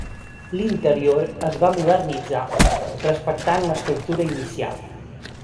L'interior es va modernitzar respectant l'estructura inicial.